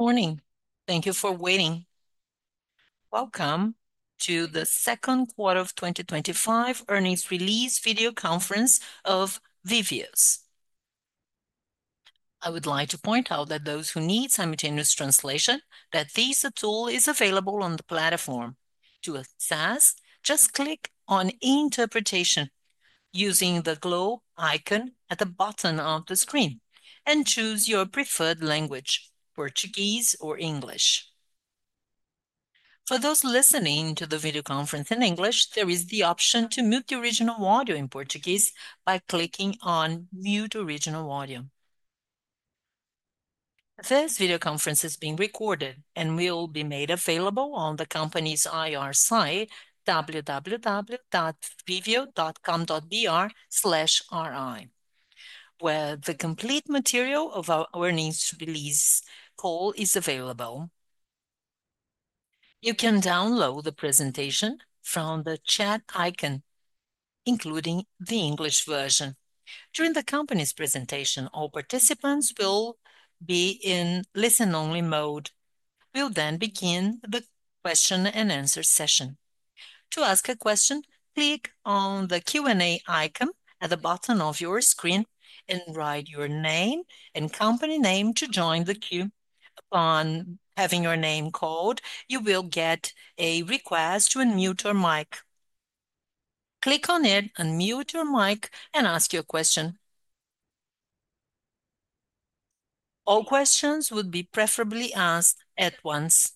Good morning. Thank you for waiting. Welcome to the Second Quarter of 2025 Earnings Release Video Conference of Vivio S.A. I would like to point out that those who need simultaneous translation, that this tool is available on the platform. To access, just click on "Interpretation" using the globe icon at the bottom of the screen and choose your preferred language: Portuguese or English. For those listening to the video conference in English, there is the option to mute the original audio in Portuguese by clicking on "Mute Original Audio." This video conference is being recorded and will be made available on the company's IR site, www.vivio.com.br/ri, where the complete material of our earnings release call is available. You can download the presentation from the chat icon, including the English version. During the company's presentation, all participants will be in listen-only mode. We'll then begin the question and answer session. To ask a question, click on the Q&A icon at the bottom of your screen and write your name and company name to join the queue. Upon having your name called, you will get a request to unmute your mic. Click on it, unmute your mic, and ask your question. All questions would be preferably asked at once.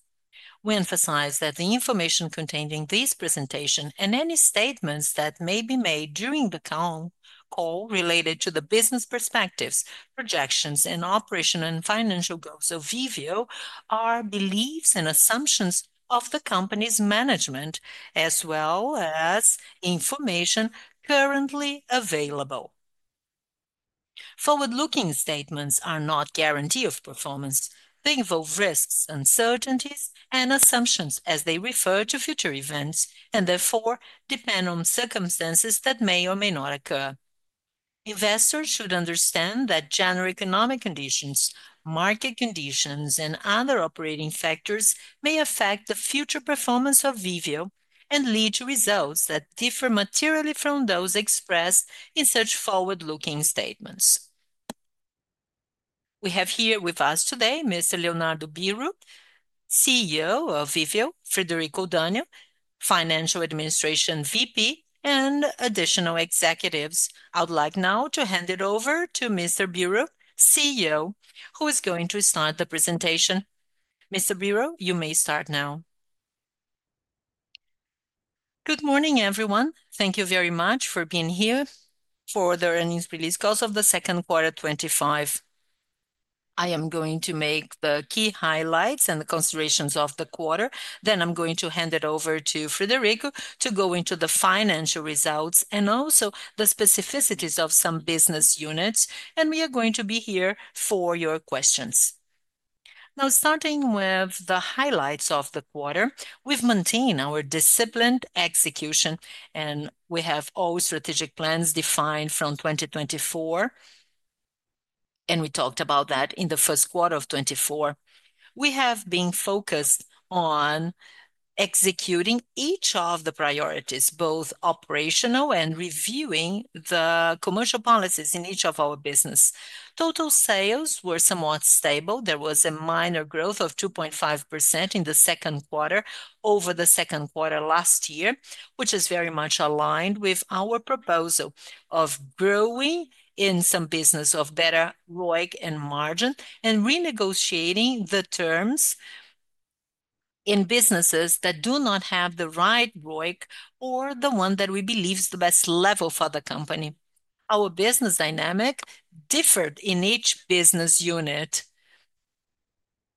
We emphasize that the information contained in this presentation and any statements that may be made during the call related to the business perspectives, projections, and operational and financial goals of Vivio are beliefs and assumptions of the company's management, as well as information currently available. Forward-looking statements are not a guarantee of performance. They involve risks, uncertainties, and assumptions as they refer to future events and therefore depend on circumstances that may or may not occur. Investors should understand that general economic conditions, market conditions, and other operating factors may affect the future performance of Vivio and lead to results that differ materially from those expressed in such forward-looking statements. We have here with us today Mr. Leonardo Biru, CEO of Vivio, Federico Daniel, Financial Administration VP, and additional executives. I would like now to hand it over to Mr. Biru, CEO, who is going to start the presentation. Mr. Biru, you may start now. Good morning, everyone. Thank you very much for being here for the earnings release calls of the second quarter of 2025. I am going to make the key highlights and the considerations of the quarter. I am going to hand it over to Federico to go into the financial results and also the specificities of some business units. We are going to be here for your questions. Now, starting with the highlights of the quarter, we've maintained our disciplined execution and we have all strategic plans defined from 2024. We talked about that in the first quarter of 2024. We have been focused on executing each of the priorities, both operational and reviewing the commercial policies in each of our businesses. Total sales were somewhat stable. There was a minor growth of 2.5% in the second quarter over the second quarter last year, which is very much aligned with our proposal of growing in some businesses with better ROIC and margin and renegotiating the terms in businesses that do not have the right ROIC or the one that we believe is the best level for the company. Our business dynamic differed in each business unit.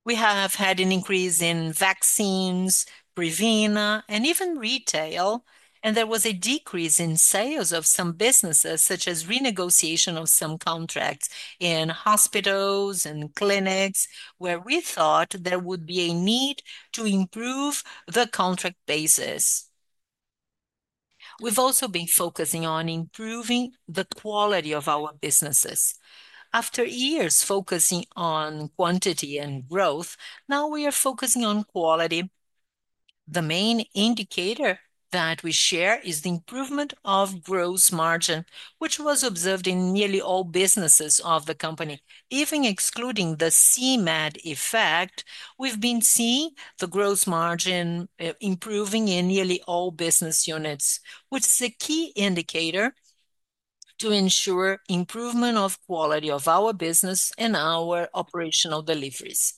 We have had an increase in vaccines, Prevena, and even retail, and there was a decrease in sales of some businesses, such as renegotiation of some contracts in hospitals and clinics, where we thought there would be a need to improve the contract basis. We've also been focusing on improving the quality of our businesses. After years focusing on quantity and growth, now we are focusing on quality. The main indicator that we share is the improvement of gross margin, which was observed in nearly all businesses of the company. Even excluding the CMAD effect, we've been seeing the gross margin improving in nearly all business units, which is a key indicator to ensure improvement of quality of our business and our operational deliveries.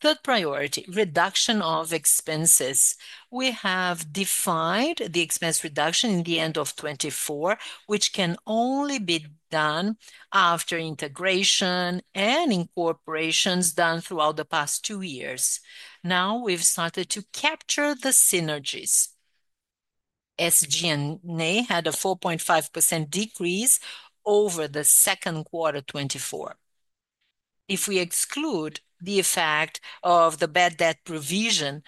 The third priority is reduction of expenses. We have defined the expense reduction in the end of 2024, which can only be done after integration and incorporations done throughout the past two years. Now we've started to capture the synergies. SG&A had a 4.5% decrease over the second quarter of 2024. If we exclude the effect of the bad debt provision,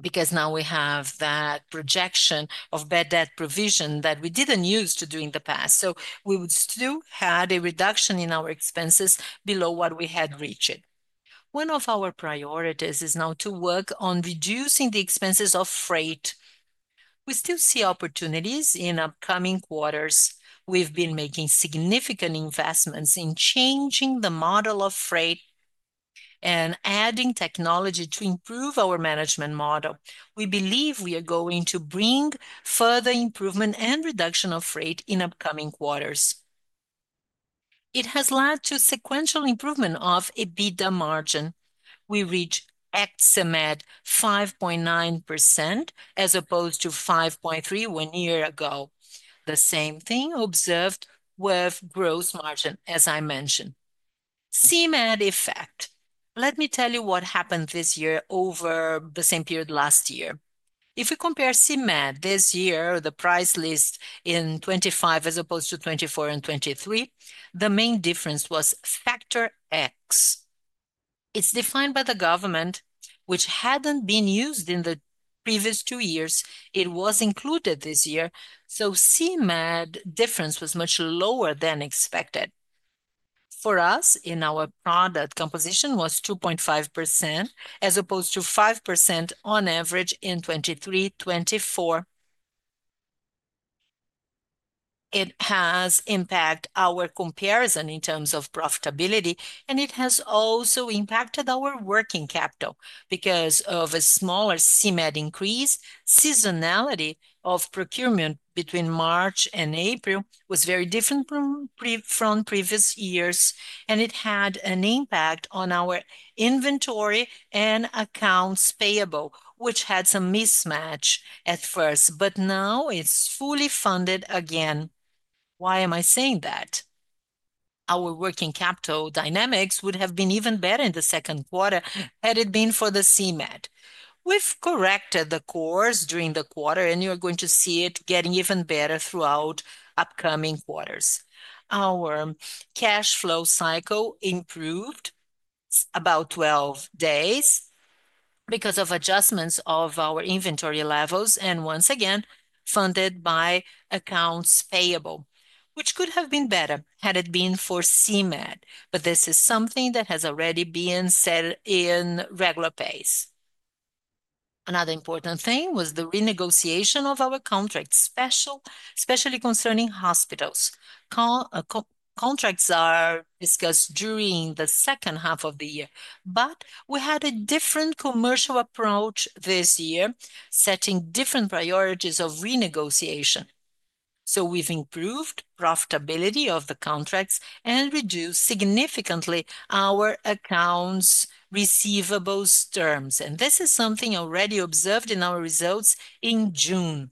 because now we have that projection of bad debt provision that we didn't use during the past, we would still have a reduction in our expenses below what we had reached. One of our priorities is now to work on reducing the expenses of freight. We still see opportunities in upcoming quarters. We've been making significant investments in changing the model of freight and adding technology to improve our management model. We believe we are going to bring further improvement and reduction of freight in upcoming quarters. It has led to sequential improvement of adjusted EBITDA margin. We reached excellent 5.9% as opposed to 5.3% one year ago. The same thing observed with gross margin, as I mentioned. CMAD effect. Let me tell you what happened this year over the same period last year. If we compare CMAD this year, the price list in 2025 as opposed to 2024 and 2023, the main difference was Factor X. It's defined by the government, which hadn't been used in the previous two years. It was included this year, so CMAD difference was much lower than expected. For us, in our product composition, it was 2.5% as opposed to 5% on average in 2023 and 2024. It has impacted our comparison in terms of profitability, and it has also impacted our working capital. Because of a smaller CMAD increase, seasonality of procurement between March and April was very different from previous years, and it had an impact on our inventory and accounts payable, which had some mismatch at first, but now it's fully funded again. Why am I saying that? Our working capital dynamics would have been even better in the second quarter had it been for the CMAD. We've corrected the course during the quarter, and you're going to see it getting even better throughout upcoming quarters. Our cash flow cycle improved about 12 days because of adjustments of our inventory levels, and once again, funded by accounts payable, which could have been better had it been for CMAD, but this is something that has already been set in regular pace. Another important thing was the renegotiation of our contracts, especially concerning hospitals. Contracts are discussed during the second half of the year, but we had a different commercial approach this year, setting different priorities of renegotiation. We've improved profitability of the contracts and reduced significantly our accounts receivables terms. This is something already observed in our results in June.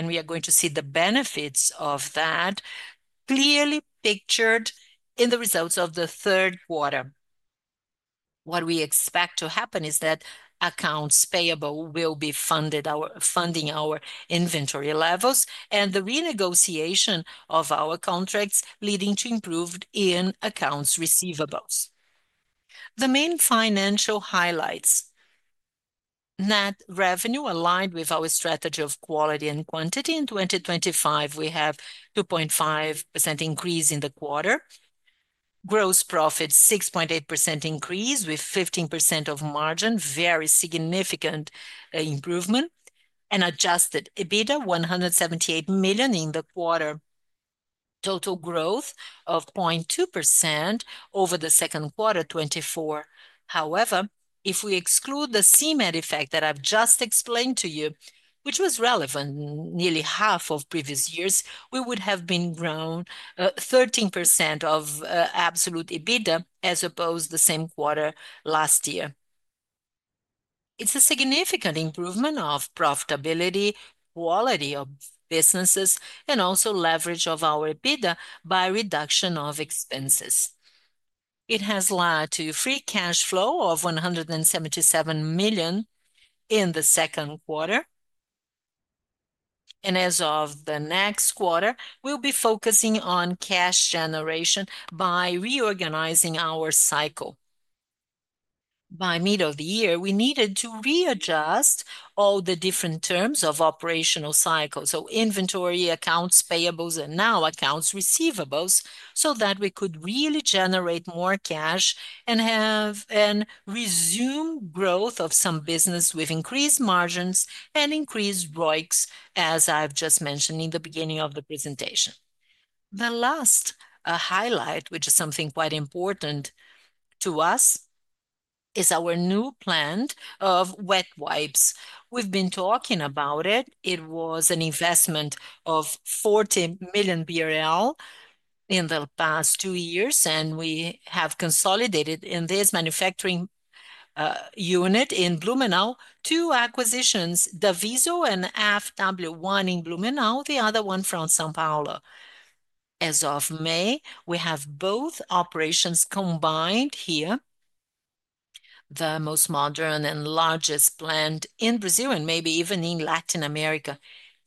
We are going to see the benefits of that clearly pictured in the results of the third quarter. What we expect to happen is that accounts payable will be funding our inventory levels and the renegotiation of our contracts, leading to improvement in accounts receivables. The main financial highlights: net revenue aligned with our strategy of quality and quantity. In 2025, we have a 2.5% increase in the quarter. Gross profit 6.8% increase with 15% of margin, very significant improvement, and adjusted EBITDA $178 million in the quarter. Total growth of 0.2% over the second quarter of 2024. However, if we exclude the CMAD effect that I've just explained to you, which was relevant in nearly half of previous years, we would have been grown 13% of absolute EBITDA as opposed to the same quarter last year. It's a significant improvement of profitability, quality of businesses, and also leverage of our EBITDA by reduction of expenses. It has led to free cash flow of 177 million in the second quarter. As of the next quarter, we'll be focusing on cash generation by reorganizing our cycle. By the middle of the year, we needed to readjust all the different terms of operational cycles. Inventory, accounts payables, and now accounts receivables, so that we could really generate more cash and have resumed growth of some businesses with increased margins and increased ROICs, as I've just mentioned in the beginning of the presentation. The last highlight, which is something quite important to us, is our new plan of wet wipes. We've been talking about it. It was an investment of 40 million BRL in the past two years, and we have consolidated in this manufacturing unit in Blumenau, two acquisitions, Daviso and FW1 in Blumenau, the other one from São Paulo. As of May, we have both operations combined here, the most modern and largest plant in Brazil and maybe even in Latin America.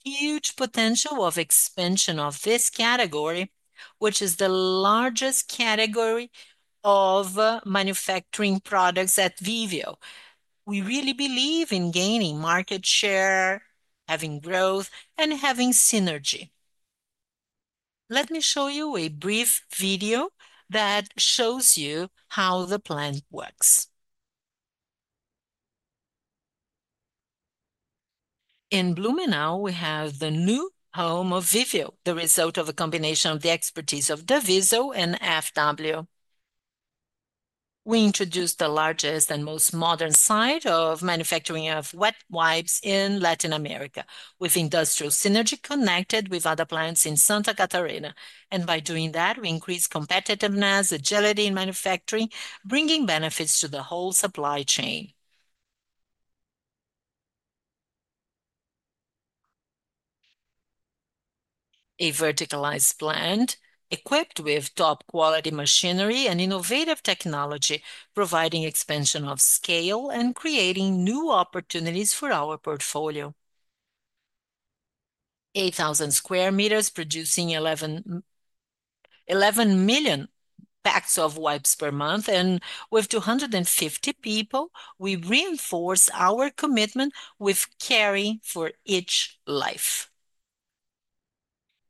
Huge potential of expansion of this category, which is the largest category of manufacturing products at Vivio. We really believe in gaining market share, having growth, and having synergy. Let me show you a brief video that shows you how the plant works. In Blumenau, we have the new home of Vivio, the result of a combination of the expertise of Daviso and FW. We introduced the largest and most modern site of manufacturing of wet wipes in Latin America, with industrial synergy connected with other plants in Santa Catarina. By doing that, we increase competitiveness, agility in manufacturing, bringing benefits to the whole supply chain. A verticalized plant equipped with top-quality machinery and innovative technology, providing expansion of scale and creating new opportunities for our portfolio. 8,000 sq m producing 11 million packs of wipes per month, and with 250 people, we reinforce our commitment with caring for each life.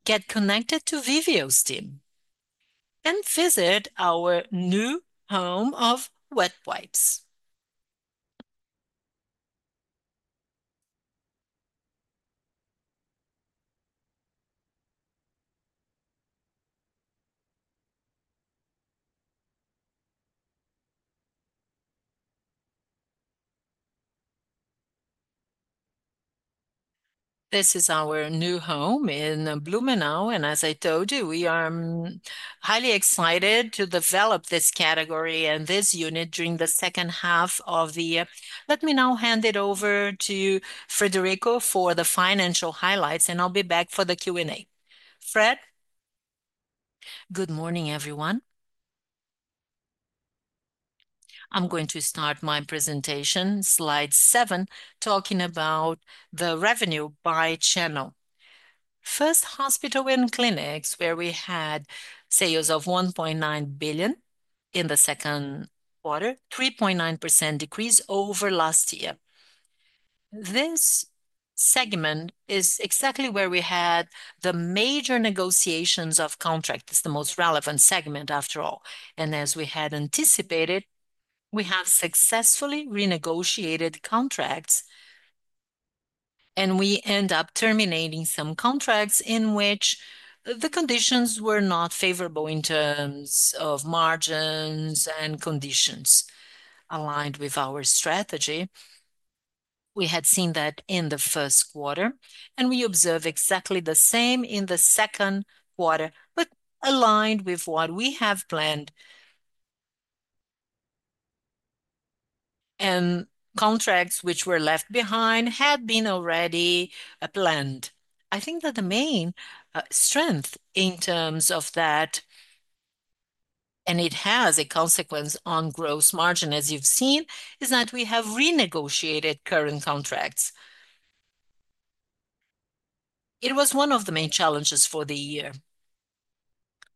Get connected to Vivio's team and visit our new home of wet wipes. This is our new home in Blumenau, and as I told you, we are highly excited to develop this category and this unit during the second half of the year. Let me now hand it over to Federico Daniel for the financial highlights, and I'll be back for the Q&A. Fred? Good morning, everyone. I'm going to start my presentation, slide seven, talking about the revenue by channel. First, hospital and clinics, where we had sales of 1.9 billion in the second quarter, 3.9% decrease over last year. This segment is exactly where we had the major negotiations of contracts. It's the most relevant segment after all. As we had anticipated, we have successfully renegotiated contracts, and we end up terminating some contracts in which the conditions were not favorable in terms of margins and conditions aligned with our strategy. We had seen that in the first quarter, and we observed exactly the same in the second quarter, aligned with what we have planned. Contracts which were left behind had been already planned. I think that the main strength in terms of that, and it has a consequence on gross margin, as you've seen, is that we have renegotiated current contracts. It was one of the main challenges for the year,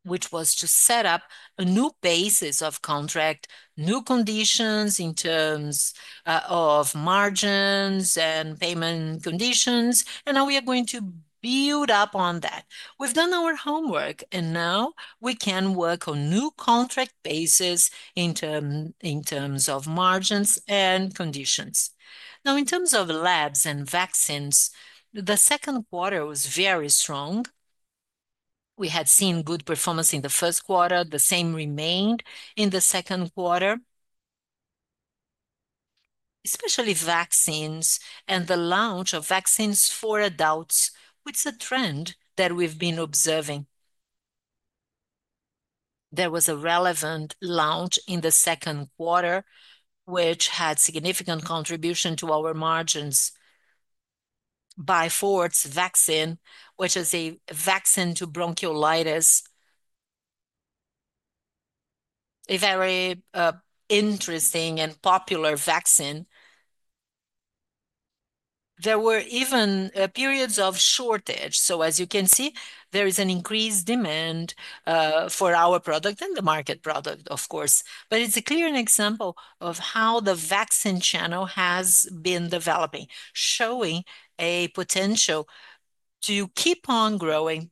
which was to set up a new basis of contract, new conditions in terms of margins and payment conditions. Now we are going to build up on that. We've done our homework, and now we can work on new contract bases in terms of margins and conditions. Now, in terms of labs and vaccines, the second quarter was very strong. We had seen good performance in the first quarter. The same remained in the second quarter, especially vaccines and the launch of vaccines for adults, which is a trend that we've been observing. There was a relevant launch in the second quarter, which had significant contribution to our margins. Bifort's vaccine, which is a vaccine to bronchiolitis, a very interesting and popular vaccine. There were even periods of shortage. As you can see, there is an increased demand for our product and the market product, of course. It's a clear example of how the vaccine channel has been developing, showing a potential to keep on growing.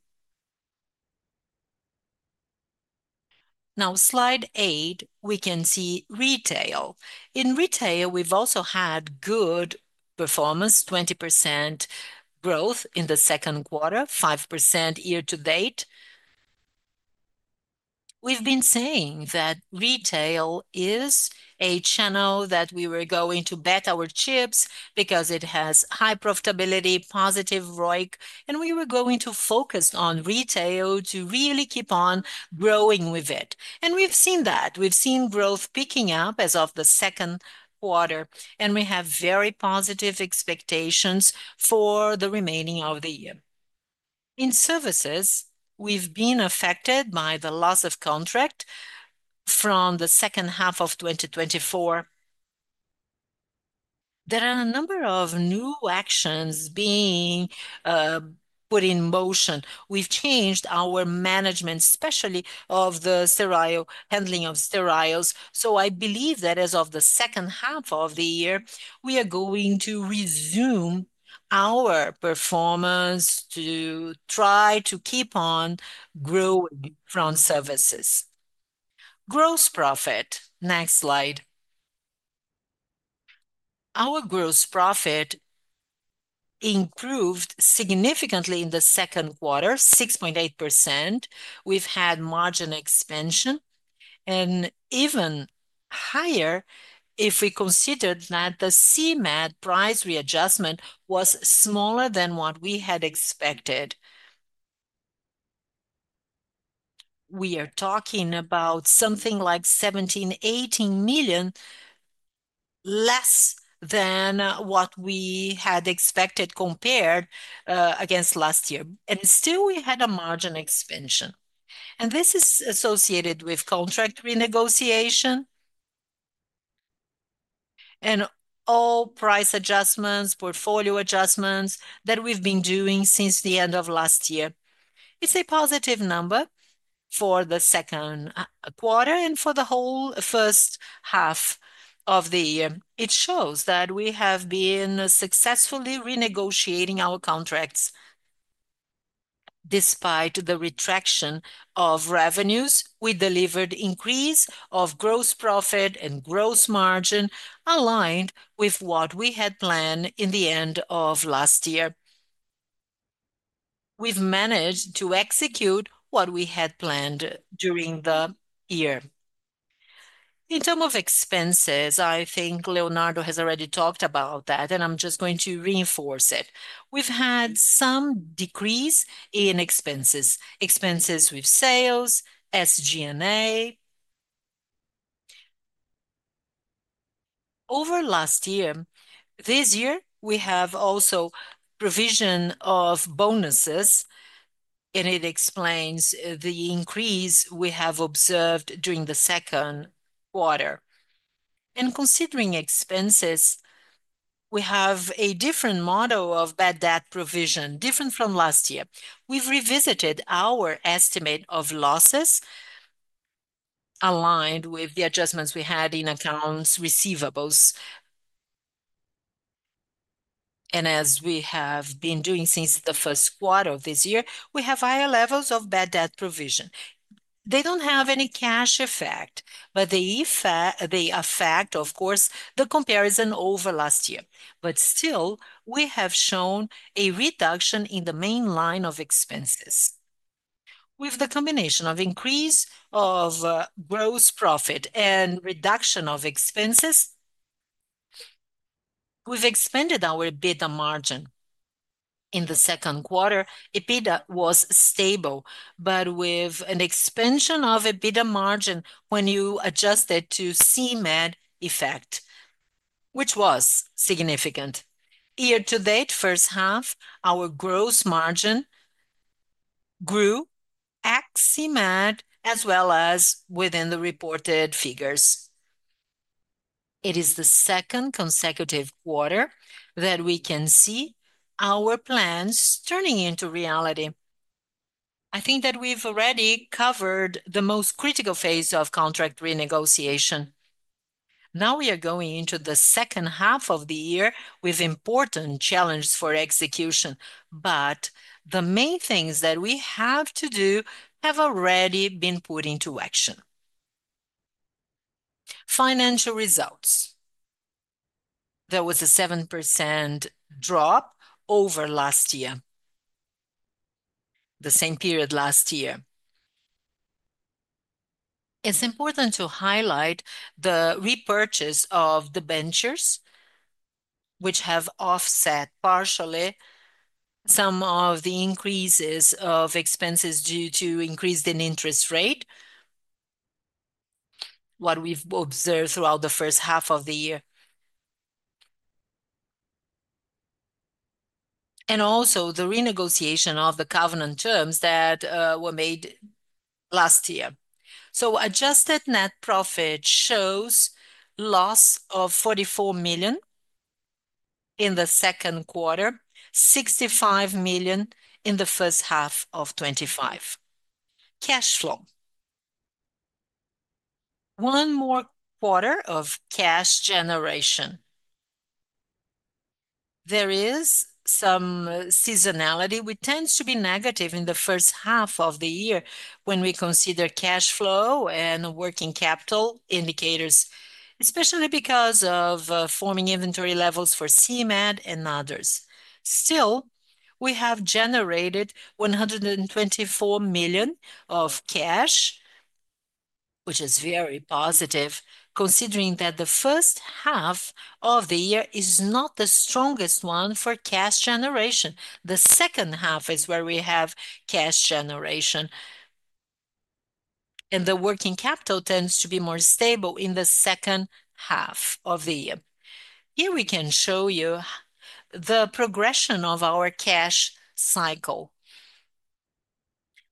Now, slide eight, we can see retail. In retail, we've also had good performance, 20% growth in the second quarter, 5% year to date. We've been saying that retail is a channel that we were going to bet our chips because it has high profitability, positive ROIC, and we were going to focus on retail to really keep on growing with it. We've seen that. We've seen growth picking up as of the second quarter, and we have very positive expectations for the remaining of the year. In services, we've been affected by the loss of contract from the second half of 2024. There are a number of new actions being put in motion. We've changed our management, especially of the sterile, handling of steriles. I believe that as of the second half of the year, we are going to resume our performance to try to keep on growing from services. Gross profit, next slide. Our gross profit improved significantly in the second quarter, 6.8%. We've had margin expansion and even higher if we considered that the CMAD price readjustment was smaller than what we had expected. We are talking about something like 17 million, 18 million less than what we had expected compared against last year. Still, we had a margin expansion. This is associated with contract renegotiation and all price adjustments, portfolio adjustments that we've been doing since the end of last year. It's a positive number for the second quarter and for the whole first half of the year. It shows that we have been successfully renegotiating our contracts. Despite the retraction of revenues, we delivered an increase of gross profit and gross margin aligned with what we had planned in the end of last year. We've managed to execute what we had planned during the year. In terms of expenses, I think Leonardo has already talked about that, and I'm just going to reinforce it. We've had some decrease in expenses, expenses with sales, SG&A. Over last year, this year, we have also a provision of bonuses, and it explains the increase we have observed during the second quarter. Considering expenses, we have a different model of bad debt provision, different from last year. We've revisited our estimate of losses aligned with the adjustments we had in accounts receivables. As we have been doing since the first quarter of this year, we have higher levels of bad debt provision. They don't have any cash effect, but they affect, of course, the comparison over last year. Still, we have shown a reduction in the main line of expenses. With the combination of increase of gross profit and reduction of expenses, we've expanded our EBITDA margin. In the second quarter, EBITDA was stable, but with an expansion of EBITDA margin when you adjust it to CMAD effect, which was significant. Year to date, first half, our gross margin grew ex CMAD as well as within the reported figures. It is the second consecutive quarter that we can see our plans turning into reality. I think that we've already covered the most critical phase of contract renegotiation. Now we are going into the second half of the year with important challenges for execution, but the main things that we have to do have already been put into action. Financial results. There was a 7% drop over last year, the same period last year. It's important to highlight the repurchase of the benches, which have offset partially some of the increases of expenses due to increase in interest rate, what we've observed throughout the first half of the year, and also the renegotiation of the covenant terms that were made last year. Adjusted net profit shows a loss of 44 million in the second quarter, 65 million in the first half of 2025. Cash flow. One more quarter of cash generation. There is some seasonality which tends to be negative in the first half of the year when we consider cash flow and working capital indicators, especially because of forming inventory levels for CMAD and others. Still, we have generated $124 million of cash, which is very positive, considering that the first half of the year is not the strongest one for cash generation. The second half is where we have cash generation. The working capital tends to be more stable in the second half of the year. Here we can show you the progression of our cash cycle.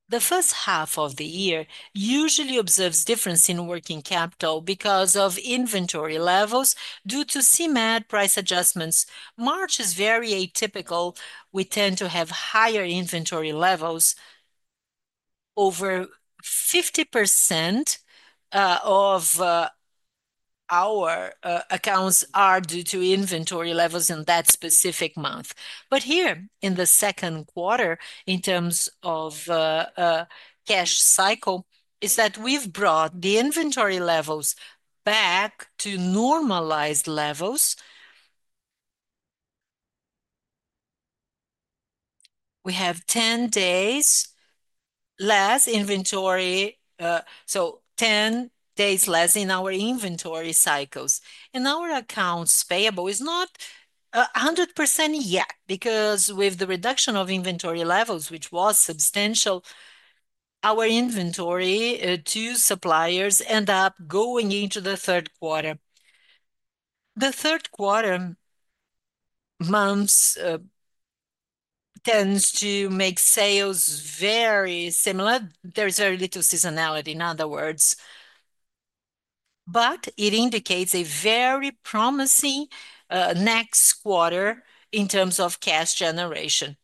The first half of the year usually observes a difference in working capital because of inventory levels due to CMAD price adjustments. March is very atypical. We tend to have higher inventory levels. Over 50% of our accounts are due to inventory levels in that specific month. Here in the second quarter, in terms of cash cycle, we've brought the inventory levels back to normalized levels. We have 10 days less inventory, so 10 days less in our inventory cycles. Our accounts payable is not 100% yet because with the reduction of inventory levels, which was substantial, our inventory to suppliers ends up going into the third quarter. The third quarter month tends to make sales very similar. There is very little seasonality in other words. It indicates a very promising next quarter in terms of cash generation.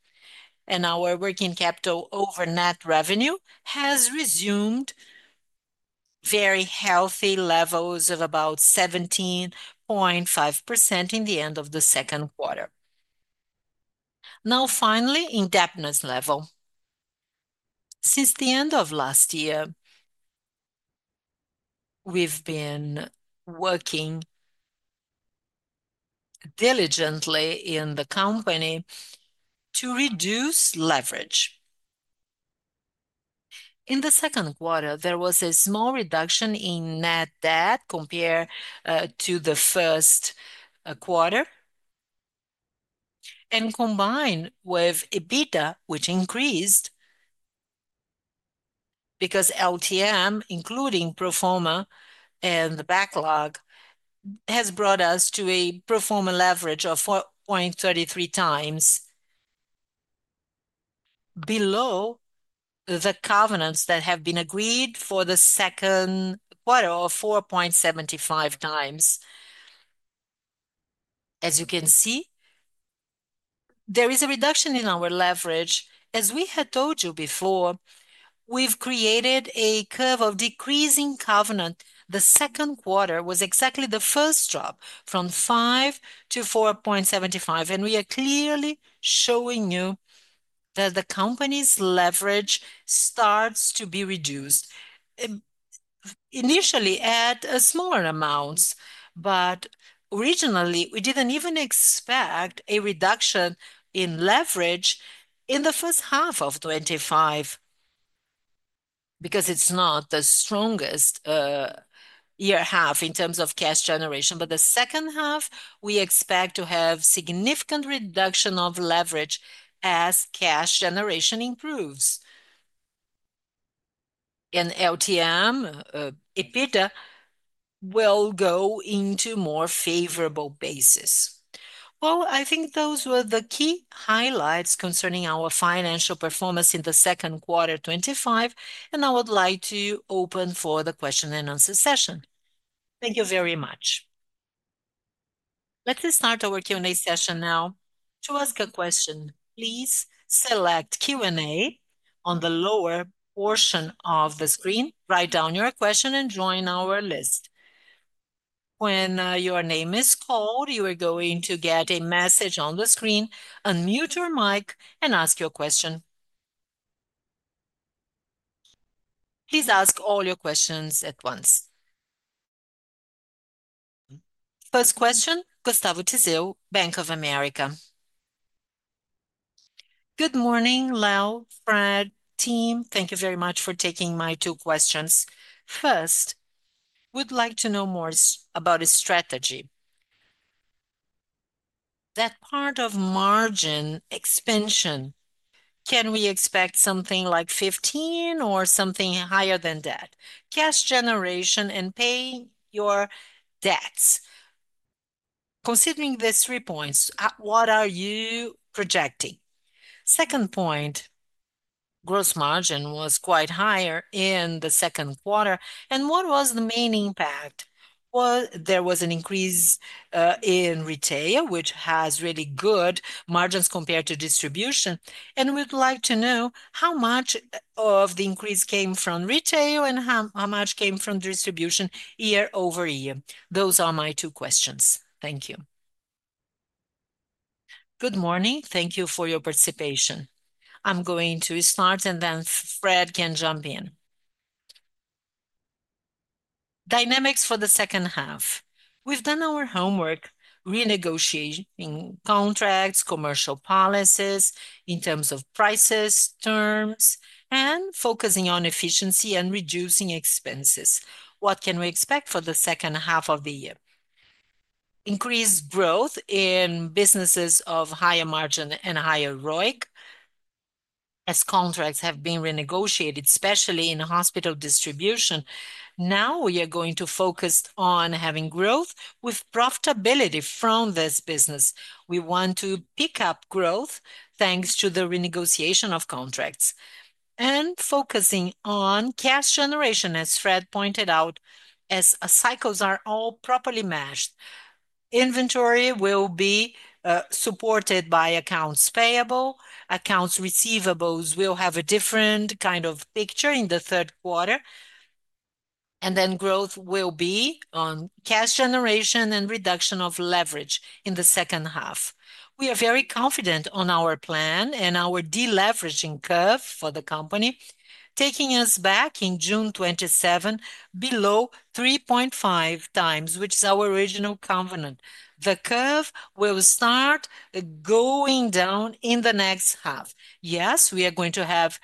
Our working capital over net revenue has resumed very healthy levels of about 17.5% at the end of the second quarter. Now, finally, indebtedness level. Since the end of last year, we've been working diligently in the company to reduce leverage. In the second quarter, there was a small reduction in net debt compared to the first quarter. Combined with EBITDA, which increased because LTM, including proforma and the backlog, has brought us to a proforma leverage of 4.33x, below the covenants that have been agreed for the second quarter of 4.75x. As you can see, there is a reduction in our leverage. As we had told you before, we've created a curve of decreasing covenant. The second quarter was exactly the first drop from 5x to 4.75x, and we are clearly showing you that the company's leverage starts to be reduced. Initially, at smaller amounts, but originally, we didn't even expect a reduction in leverage in the first half of 2025 because it's not the strongest half in terms of cash generation. The second half, we expect to have a significant reduction of leverage as cash generation improves. LTM EBITDA will go into more favorable bases. Those were the key highlights concerning our financial performance in the second quarter of 2025, and I would like to open for the question and answer session. Thank you very much. Let's start our Q&A session now. To ask a question, please select Q&A on the lower portion of the screen. Write down your question and join our list. When your name is called, you are going to get a message on the screen. Unmute your mic and ask your question. Please ask all your questions at once. First question, Gustavo Tizio, Bank of America. Good morning, Leo, Fred, team. Thank you very much for taking my two questions. First, we'd like to know more about a strategy. That part of margin expansion, can we expect something like 15% or something higher than that? Cash generation and pay your debts. Considering these three points, what are you projecting? Second point, gross margin was quite higher in the second quarter. What was the main impact? There was an increase in retail, which has really good margins compared to distribution. We'd like to know how much of the increase came from retail and how much came from distribution year-over-year. Those are my two questions. Thank you. Good morning. Thank you for your participation. I'm going to start, and then Fred can jump in. Dynamics for the second half. We've done our homework, renegotiating contracts, commercial policies in terms of prices, terms, and focusing on efficiency and reducing expenses. What can we expect for the second half of the year? Increased growth in businesses of higher margin and higher ROIC. As contracts have been renegotiated, especially in hospital distribution, now we are going to focus on having growth with profitability from this business. We want to pick up growth thanks to the renegotiation of contracts. Focusing on cash generation, as Fred pointed out, as cycles are all properly matched. Inventory will be supported by accounts payable. Accounts receivables will have a different kind of picture in the third quarter. Growth will be on cash generation and reduction of leverage in the second half. We are very confident on our plan and our deleveraging curve for the company, taking us back in June 2027 below 3.5x, which is our original covenant. The curve will start going down in the next half. Yes, we are going to have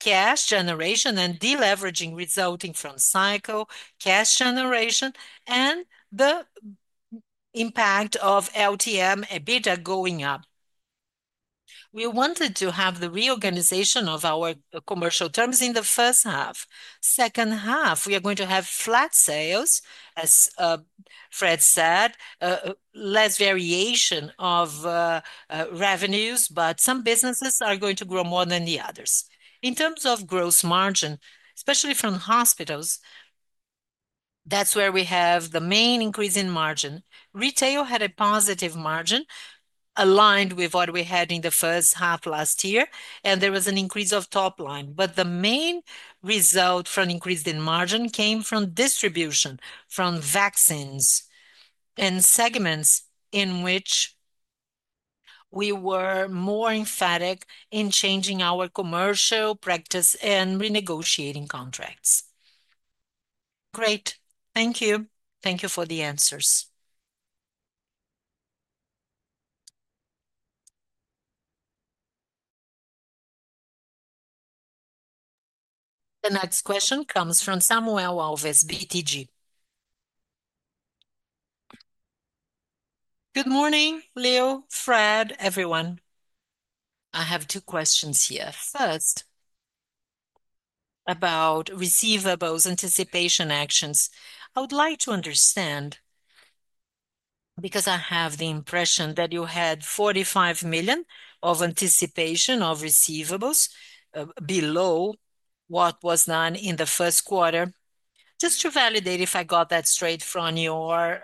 cash generation and deleveraging resulting from cycle, cash generation, and the impact of LTM EBITDA going up. We wanted to have the reorganization of our commercial terms in the first half. Second half, we are going to have flat sales, as Fred said, less variation of revenues, but some businesses are going to grow more than the others. In terms of gross margin, especially from hospitals, that's where we have the main increase in margin. Retail had a positive margin aligned with what we had in the first half last year, and there was an increase of top line. The main result from increase in margin came from distribution, from vaccines, and segments in which we were more emphatic in changing our commercial practice and renegotiating contracts. Great. Thank you. Thank you for the answers. The next question comes from Samuel Alves, BTG. Good morning, Leo, Fred, everyone. I have two questions here. First, about receivables anticipation actions. I would like to understand because I have the impression that you had 45 million of anticipation of receivables below what was done in the first quarter, just to validate if I got that straight from your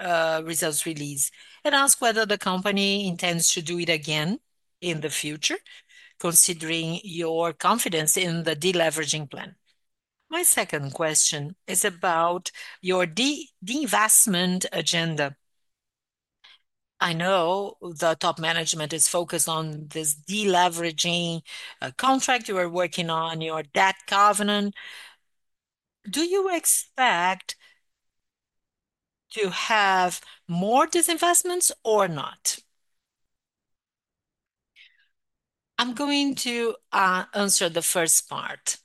results release. Ask whether the company intends to do it again in the future, considering your confidence in the deleveraging plan. My second question is about your deinvestment agenda. I know the top management is focused on this deleveraging contract you are working on, your debt covenant. Do you expect to have more disinvestments or not? I'm going to answer the first part.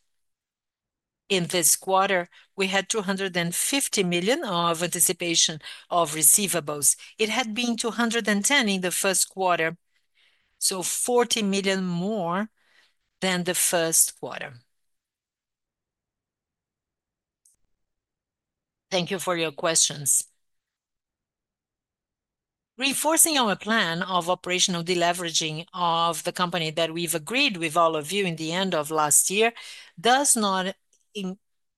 In this quarter, we had 250 million of anticipation of receivables. It had been 210 million in the first quarter, so 40 million more than the first quarter. Thank you for your questions. Reinforcing our plan of operational deleveraging of the company that we've agreed with all of you in the end of last year does not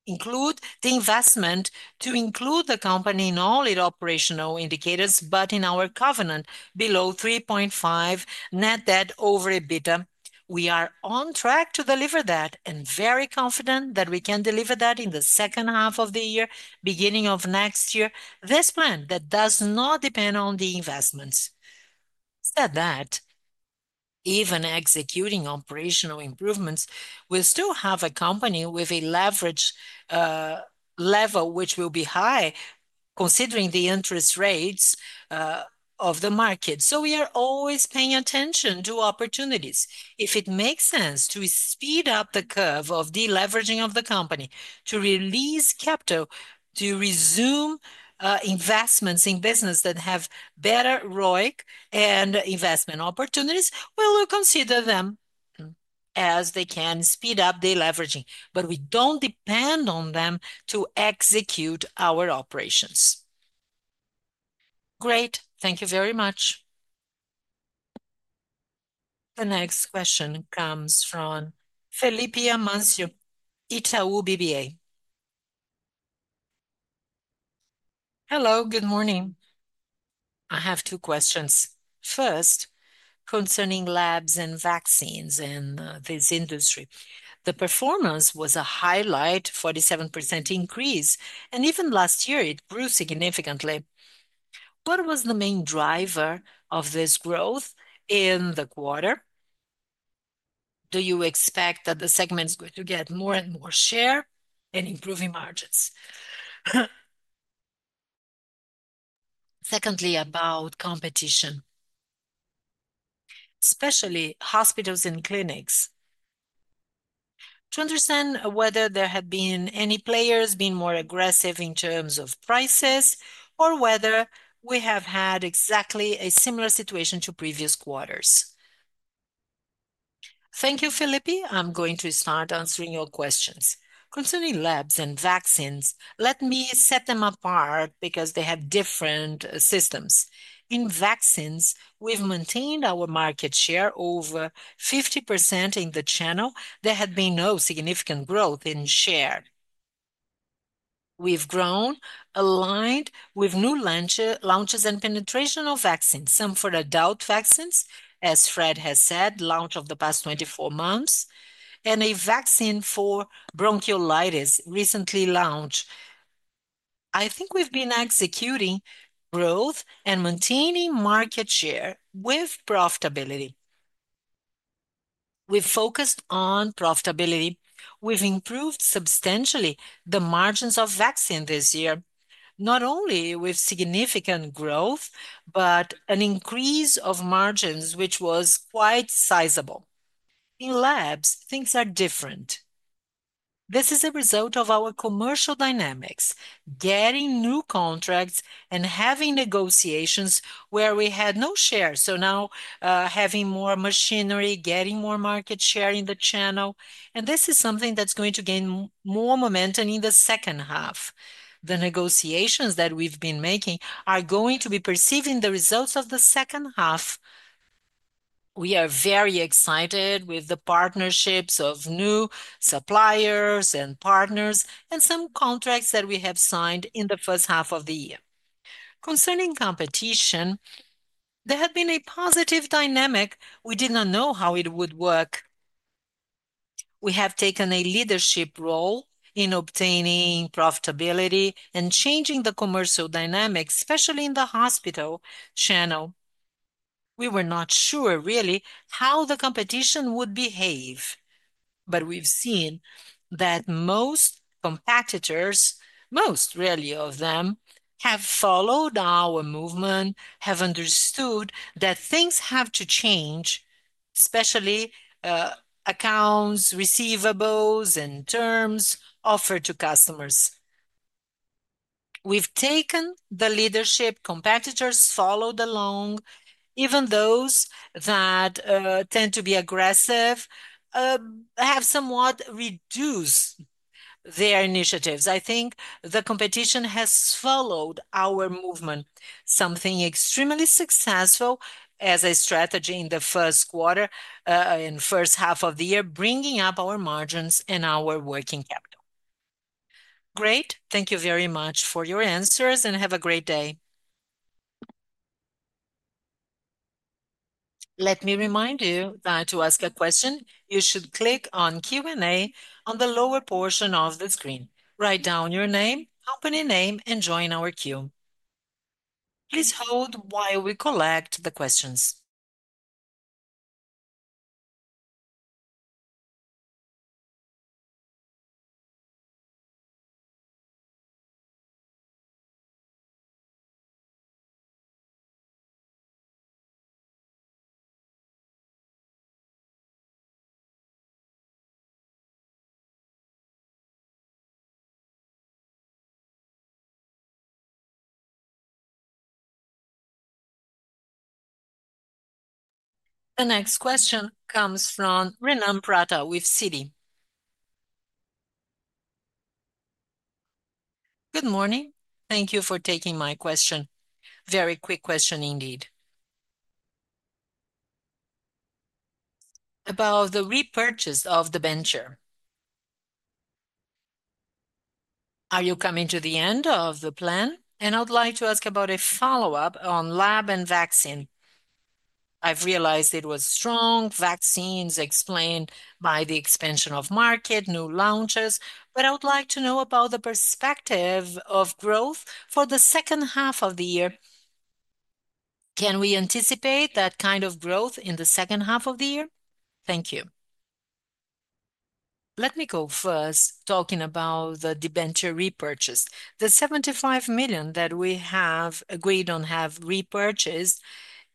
include the investment to include the company in all its operational indicators, but in our covenant below 3.5 net debt over EBITDA. We are on track to deliver that and very confident that we can deliver that in the second half of the year, beginning of next year, this plan that does not depend on the investments. That said, even executing operational improvements, we'll still have a company with a leverage level which will be high, considering the interest rates of the market. We are always paying attention to opportunities. If it makes sense to speed up the curve of deleveraging of the company, to release capital, to resume investments in businesses that have better ROIC and investment opportunities, we'll consider them as they can speed up deleveraging. We don't depend on them to execute our operations. Great. Thank you very much. The next question comes from Felipe Amancio, Itaú BBA. Hello, good morning. I have two questions. First, concerning labs and vaccines in this industry. The performance was a highlight, 47% increase, and even last year, it grew significantly. What was the main driver of this growth in the quarter? Do you expect that the segment is going to get more and more share and improve margins? Secondly, about competition, especially hospitals and clinics. To understand whether there have been any players being more aggressive in terms of prices or whether we have had exactly a similar situation to previous quarters. Thank you, Felipe. I'm going to start answering your questions. Concerning labs and vaccines, let me set them apart because they have different systems. In vaccines, we've maintained our market share over 50% in the channel. There had been no significant growth in share. We've grown aligned with new launches and penetration of vaccines, some for adult vaccines, as Fred has said, launched over the past 24 months, and a vaccine for bronchiolitis recently launched. I think we've been executing growth and maintaining market share with profitability. We've focused on profitability. We've improved substantially the margins of vaccine this year, not only with significant growth, but an increase of margins which was quite sizable. In labs, things are different. This is a result of our commercial dynamics, getting new contracts and having negotiations where we had no share, so now having more machinery, getting more market share in the channel. This is something that's going to gain more momentum in the second half. The negotiations that we've been making are going to be perceived in the results of the second half. We are very excited with the partnerships of new suppliers and partners and some contracts that we have signed in the first half of the year. Concerning competition, there had been a positive dynamic. We did not know how it would work. We have taken a leadership role in obtaining profitability and changing the commercial dynamics, especially in the hospital channel. We were not sure really how the competition would behave, but we've seen that most competitors, most really of them, have followed our movement, have understood that things have to change, especially accounts, receivables, and terms offered to customers. We've taken the leadership. Competitors followed along. Even those that tend to be aggressive have somewhat reduced their initiatives. I think the competition has followed our movement, something extremely successful as a strategy in the first quarter and first half of the year, bringing up our margins and our working capital. Great. Thank you very much for your answers and have a great day. Let me remind you that to ask a question, you should click on Q&A on the lower portion of the screen. Write down your name, company name, and join our queue. Please hold while we collect the questions. The next question comes from Rena Prata with CITI. Good morning. Thank you for taking my question. Very quick question indeed. About the repurchase of the bencher. Are you coming to the end of the plan? I'd like to ask about a follow-up on lab and vaccine. I've realized it was strong vaccines explained by the expansion of market, new launches, but I would like to know about the perspective of growth for the second half of the year. Can we anticipate that kind of growth in the second half of the year? Thank you. Let me go first talking about the bench repurchase. The 75 million that we have agreed on and have repurchased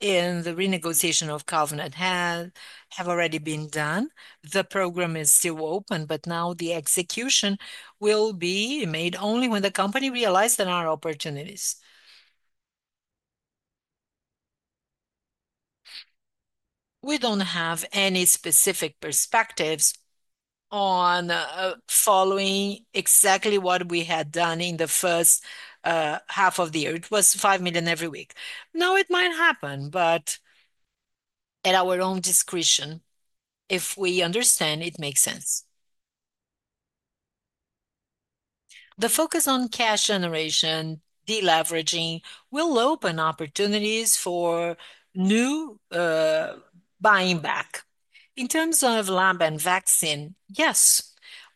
in the renegotiation of covenant have already been done. The program is still open, but now the execution will be made only when the company realizes our opportunities. We don't have any specific perspectives on following exactly what we had done in the first half of the year. It was 5 million every week. Now it might happen, but at our own discretion, if we understand it makes sense. The focus on cash generation, deleveraging will open opportunities for new buying back. In terms of lab and vaccine, yes,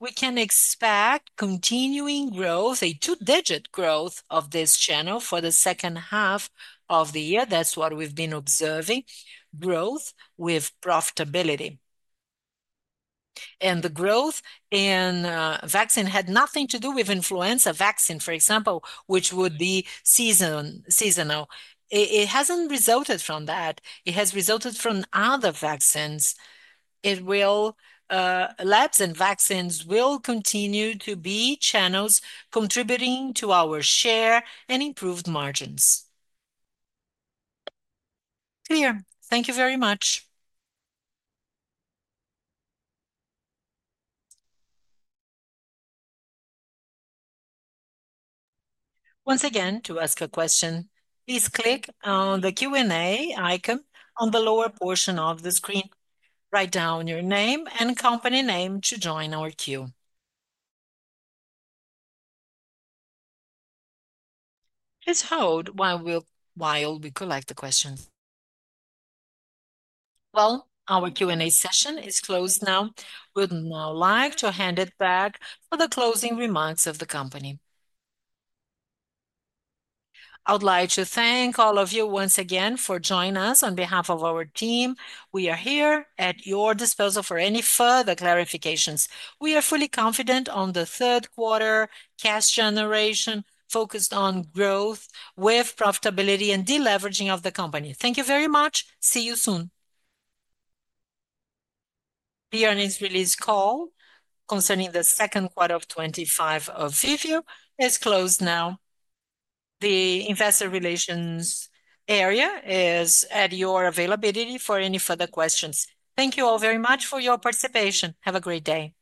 we can expect continuing growth, a two-digit growth of this channel for the second half of the year. That's what we've been observing, growth with profitability. The growth in vaccine had nothing to do with influenza vaccine, for example, which would be seasonal. It hasn't resulted from that. It has resulted from other vaccines. Labs and vaccines will continue to be channels contributing to our share and improved margins. Thank you very much. Once again, to ask a question, please click on the Q&A icon on the lower portion of the screen. Write down your name and company name to join our queue. Please hold while we collect the questions. Our Q&A session is closed now. We'd now like to hand it back for the closing remarks of the company. I would like to thank all of you once again for joining us on behalf of our team. We are here at your disposal for any further clarifications. We are fully confident on the third quarter cash generation focused on growth with profitability and deleveraging of the company. Thank you very much. See you soon. The earnings release call concerning the second quarter of 2025 of Vivio is closed now. The investor relations area is at your availability for any further questions. Thank you all very much for your participation. Have a great day.